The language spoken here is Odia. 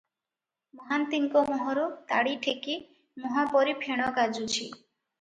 ମହାନ୍ତିଙ୍କ ମୁହଁରୁ ତାଡ଼ିଠେକି ମୁହଁ ପରି ଫେଣ ଗାଜୁଛି ।